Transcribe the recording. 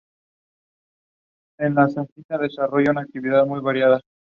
Dicha salsa le llevó a la fama en Asia.